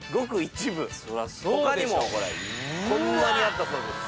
他にもこんなにあったそうです